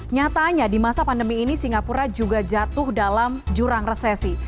nyatanya di masa pandemi ini singapura juga jatuh dalam jurang resesi